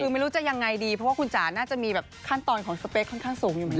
ไม่รู้จะยังไงดีคุณจ๋าน่าจะมีขั้นตอนของสเปคค่อนข้างสูงอยู่ไหม